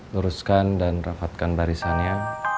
luruskan dan rafatkan barisannya